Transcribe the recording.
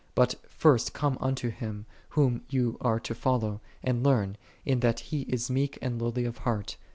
But first come unto Him, Whom ye are to follow, and learn, in that He is meek and lowly of heart.